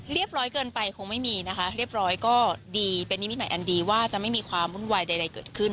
เรียบร้อยเกินไปคงไม่มีนะคะเรียบร้อยก็ดีเป็นนิมิตหมายอันดีว่าจะไม่มีความวุ่นวายใดเกิดขึ้น